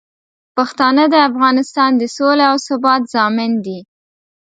پښتانه د افغانستان د سولې او ثبات ضامن دي.